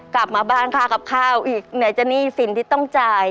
กลับมาบ้านค่ากับข้าวอีกไหนจะหนี้สินที่ต้องจ่าย